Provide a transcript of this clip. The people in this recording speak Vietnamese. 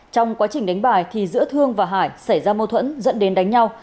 trong quá trình đánh bài thì giữa thương và hải xảy ra mâu thuẫn dẫn đến đánh nhau